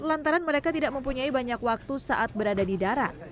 lantaran mereka tidak mempunyai banyak waktu saat berada di darat